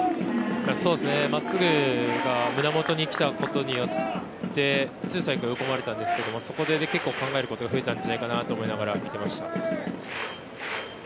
真っすぐが胸元に来たことによってツーストライクに追い込まれたんですけどそこで結構、考えることが増えたんじゃないかと思って見ていました。